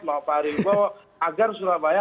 mau pak eri wibowo agar surabaya